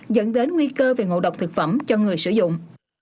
dẫn đến nguy cơ về ngộ độc thực phẩm cho người sử dụng